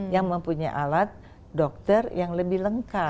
yang mempunyai alat dokter yang lebih lengkap